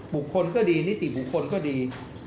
บุคคลก็ดีนิติบุคคลก็ดี